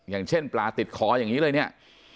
อย่างเช่นปลาติดคออย่างนี้เลยเนี่ย